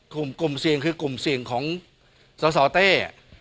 คือกลุ่มเสียงคือกลุ่มเสียงของสาวแต่